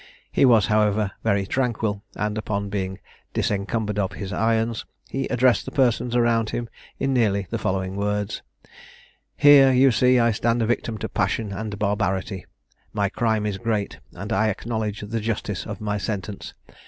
He was, however, very tranquil; and upon being disencumbered of his irons, he addressed the persons around him in nearly the following words: "Here, you see, I stand a victim to passion and barbarity: my crime is great, and I acknowledge the justice of my sentence.